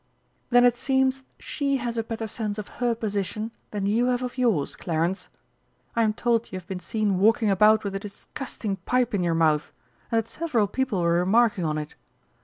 "Then it seems she has a better sense of her position than you have of yours, Clarence. I'm told you have been seen walking about with a disgusting pipe in your mouth, and that several people were remarking on it.